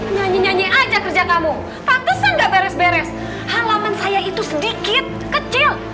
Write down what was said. nyanyi nyanyi aja kerja kamu patusan gak beres beres halaman saya itu sedikit kecil